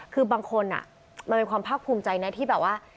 คือบางคนมันเป็นความภาคภูมิใจนะที่แบบว่า